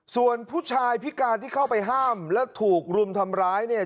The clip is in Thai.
ส่วนผู้ชายพิการที่เข้าไปห้ามและถูกรุมทำร้ายเนี่ย